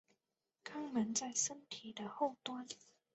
肛门在身体的后端。